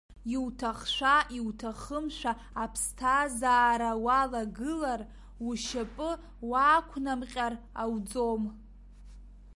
Иуҭахшәа-иуҭахымшәа аԥсҭазаара уалагылар, ушьапы уаақәнамҟьар ауӡом.